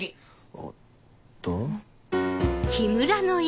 おっと。